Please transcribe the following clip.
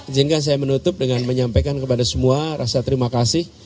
sehingga saya menutup dengan menyampaikan kepada semua rasa terima kasih